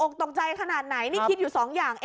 ตกใจขนาดไหนนี่คิดอยู่สองอย่าง